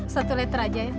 satu liter saja ya